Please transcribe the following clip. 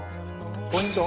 ポイント。